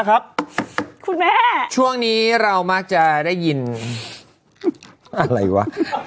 อะไรวะ